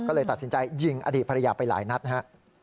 ก็เลยตัดสินใจยิงอดีตภรรยาไปหลายนัดนะครับ